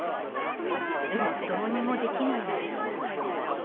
でもどうにもできないのです。